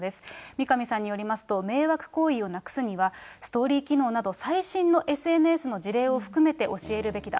三上さんによりますと、迷惑行為をなくすには、ストーリー機能など、最新のＳＮＳの事例を含めて教えるべきだ。